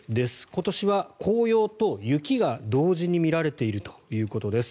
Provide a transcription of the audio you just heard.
今年は紅葉と雪が同時に見られているということです。